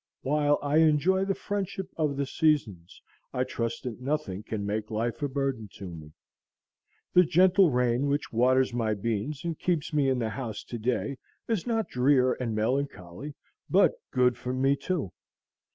While I enjoy the friendship of the seasons I trust that nothing can make life a burden to me. The gentle rain which waters my beans and keeps me in the house to day is not drear and melancholy, but good for me too.